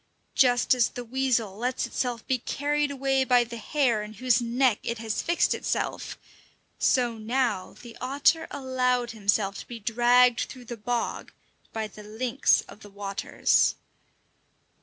Just as the weasel lets itself be carried away by the hare in whose neck it has fixed itself, so now the otter allowed himself to be dragged through the bog by the lynx of the waters.